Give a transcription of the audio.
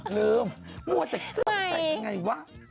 ลืมมัวเจ็กเซอร์ใส่ยังไงวะ